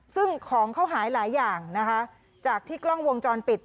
ซึ่งของเขาหายหลายอย่างนะคะจากที่กล้องวงจรปิด